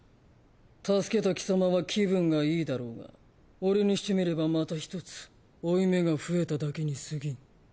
助けたキサマは気分がいいだろうが俺にしてみればまた１つ負い目が増えただけにすぎん。